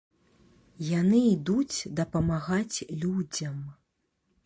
Яны ідуць дапамагаць людзям.